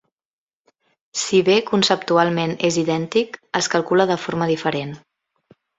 Si bé conceptualment és idèntic, es calcula de forma diferent.